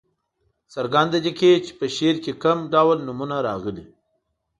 څرګنده دې کړي چې په شعر کې کوم ډول نومونه راغلي.